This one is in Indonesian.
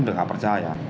itu gak percaya